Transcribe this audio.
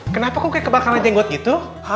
kenapa kok kayak kebakaran jenggot gitu